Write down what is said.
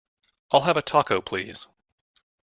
I'll have a Taco, please.